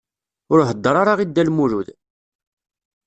Ur heddeṛ ara i Dda Lmulud.